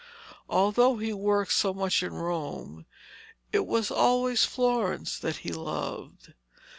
Although he worked so much in Rome, it was always Florence that he loved.